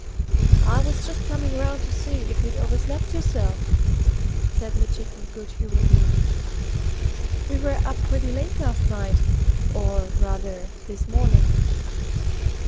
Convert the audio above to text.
"I was just coming round to see if you'd overslept yourself," said Mitchington good humouredly. "We were up pretty late last night, or, rather, this morning."